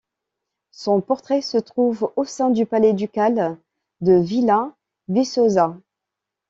Son portrait se trouve au sein du palais ducal de Vila Viçosa.